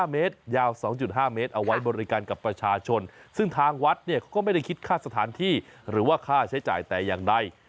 เมตรยาว๒๕เมตรเอาไว้บริการกับประชาชนซึ่งทางวัดเนี่ยเขาก็ไม่ได้คิดค่าสถานที่หรือว่าค่าใช้จ่ายแต่อย่างใด